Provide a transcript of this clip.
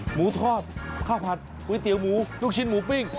หมูทอดข้าวผัดก๋วยเตี๋ยวหมูลูกชิ้นหมูปิ้ง